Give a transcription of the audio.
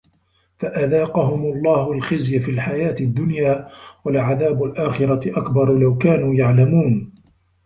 فَأَذاقَهُمُ اللَّهُ الخِزيَ فِي الحَياةِ الدُّنيا وَلَعَذابُ الآخِرَةِ أَكبَرُ لَو كانوا يَعلَمونَ